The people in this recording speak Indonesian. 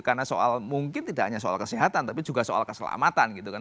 karena soal mungkin tidak hanya soal kesehatan tapi juga soal keselamatan gitu kan